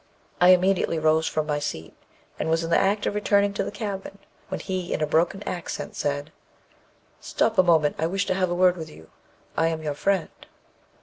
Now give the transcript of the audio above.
I immediately rose from my seat, and was in the act of returning to the cabin, when he in a broken accent said, 'Stop a moment; I wish to have a word with you. I am your friend.'